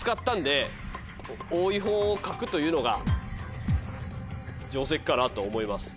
多いほうを書くというのが定石かなと思います。